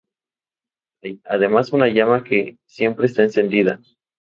Hay, además, una llama que siempre está encendida.